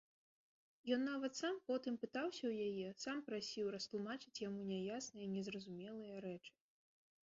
Ён нават сам потым пытаўся ў яе, сам прасіў растлумачыць яму няясныя, незразумелыя рэчы.